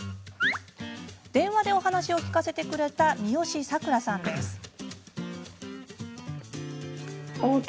電話でお話を聞かせてくれた三好さくらさんです。